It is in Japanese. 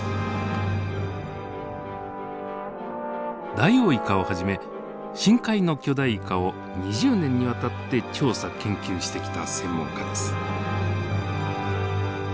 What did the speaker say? ダイオウイカをはじめ深海の巨大イカを２０年にわたって調査研究してきた専門家です。